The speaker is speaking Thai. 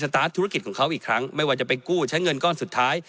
ตาร์ทธุรกิจของเขาอีกครั้งไม่ว่าจะไปกู้ใช้เงินก้อนสุดท้าย